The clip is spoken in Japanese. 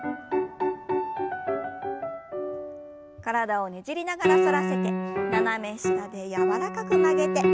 体をねじりながら反らせて斜め下で柔らかく曲げて。